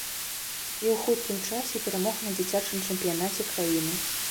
І ў хуткім часе перамог на дзіцячым чэмпіянаце краіны.